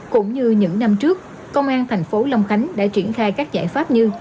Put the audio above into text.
cũng như những năm trước công an thành phố long khánh đã triển khai các giải pháp như